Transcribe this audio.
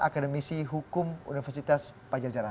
akademisi hukum universitas pajajaran